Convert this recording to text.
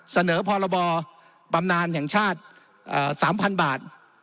เสนอพรบบำนานแห่งชาติ๓๐๐๐บาท